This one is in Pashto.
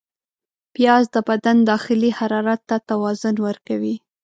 پیاز د بدن داخلي حرارت ته توازن ورکوي